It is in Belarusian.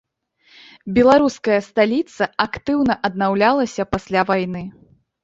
Беларуская сталіца актыўна аднаўлялася пасля вайны.